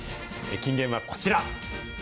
金言はこちら。